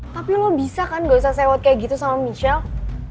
tapi lo bisa kan gak usah sewot kayak gitu sama michelle